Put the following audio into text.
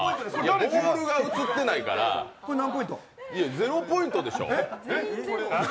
ボールが写ってないからこれ、０ポイントでしょう？